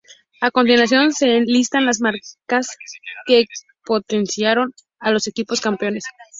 A continuación se listan las marcas que potenciaron a los equipos campeones.